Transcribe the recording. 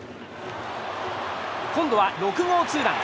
今度は６号ツーラン。